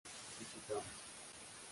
Visitamos